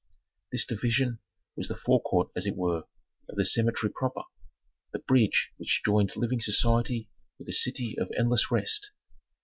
This division was the forecourt as it were, of the cemetery proper, the bridge which joined living society with the city of endless rest.